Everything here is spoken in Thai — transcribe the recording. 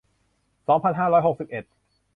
สองพันห้าร้อยหกสิบเอ็ด